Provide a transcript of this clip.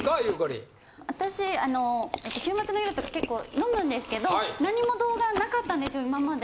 私あの週末の夜とか結構飲むんですけど何も動画なかったんですよ今まで。